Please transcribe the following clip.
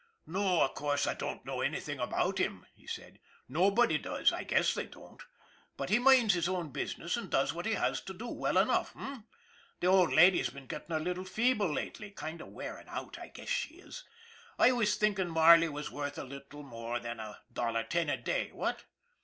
" No, of course, I don't know anything about him, 3 " he said. " Nobody does, I guess they don't. But he minds his own business and does what he has to do well enough, h'm ? The old lady's been getting a little feeble lately kind of wearing out, I guess she is. I was thinking Marley was worth a little more than a dollar ten a day, what